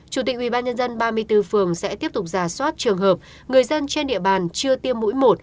chủ tịch ubnd ba mươi bốn phường sẽ tiếp tục giả soát trường hợp người dân trên địa bàn chưa tiêm mũi một